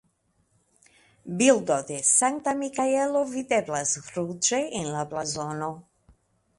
Bildo de Sankta Mikaelo videblas ruĝe en la blazono.